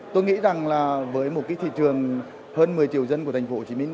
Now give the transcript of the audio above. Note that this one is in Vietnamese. tôi nghĩ rằng là với một cái thị trường hơn một mươi triệu dân của thành phố hồ chí minh